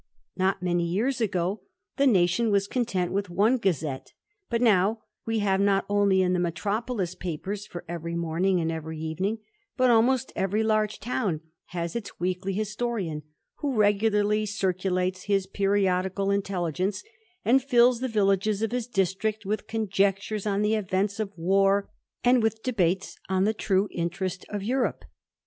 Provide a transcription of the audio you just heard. Not many years ago the THE IDLER. 291 lation was content with one gazette ; but now we have not )nly in the metropolis papers for every morning and every evening, but almost every large town has its weekly historian, who regularly circulates his periodical intelligence, and fills the villages of his district with conjectures on the events of war, and with debates on the true interest of Europe.